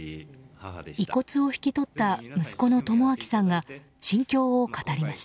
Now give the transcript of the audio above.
遺骨を引き取った息子の朋晃さんが心境を語りました。